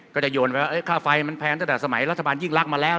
ก็จะโยนไปว่าค่าไฟมันแพงตั้งแต่สมัยรัฐบาลยิ่งรักมาแล้ว